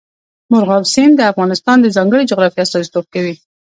مورغاب سیند د افغانستان د ځانګړي جغرافیه استازیتوب کوي.